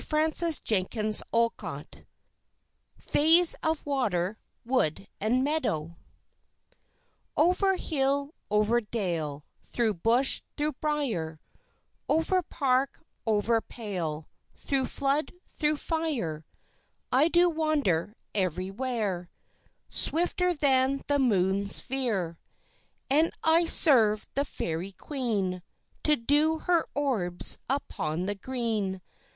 Allan Cunningham FAYS OF WATER, WOOD, AND MEADOW _Over hill, over dale, Through bush, through briar, Over park, over pale, Through flood, through fire, I do wander everywhere, Swifter than the moon's sphere; And I serve the Fairy Queen, To dew her orbs upon the green.